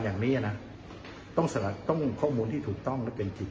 อย่างนี้นะต้องข้อมูลที่ถูกต้องและเป็นจริง